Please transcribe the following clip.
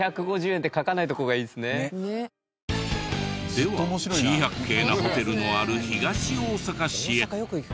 では珍百景なホテルのある東大阪市へ。